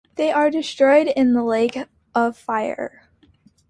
They are destroyed in the Lake of fire.